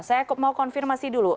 saya mau konfirmasi dulu